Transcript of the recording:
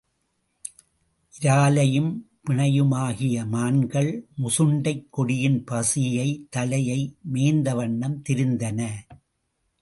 இரலையும் பிணையுமாகிய மான்கள் முசுண்டைக் கொடியின் பசிய தழையை மேய்ந்தவண்ணம் திரிந்தன.